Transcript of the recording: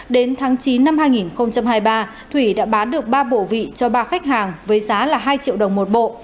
đến tháng chín năm hai nghìn hai mươi ba thủy đã bán được ba bộ vị cho ba khách hàng với giá là hai triệu đồng một bộ